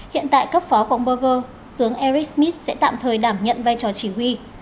hiện tại cấp phó bóng berger tướng eric smith sẽ tạm thời đảm nhận vai trò chỉ huy